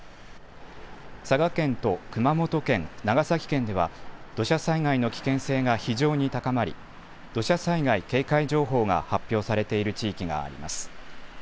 佐賀県と熊本県、長崎県では土砂災害の危険性が非常に高まり土砂災害警戒情報が発表されている地域があります。